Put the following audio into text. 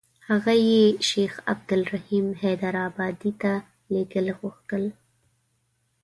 هغه یې شیخ عبدالرحیم حیدارآبادي ته لېږل غوښتل.